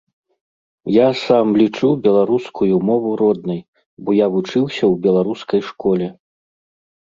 Я сам лічу беларускую мову роднай, бо я вучыўся ў беларускай школе.